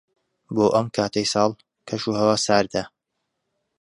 بۆ ئەم کاتەی ساڵ، کەشوهەوا ساردە.